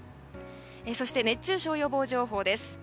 そして熱中症予防情報です。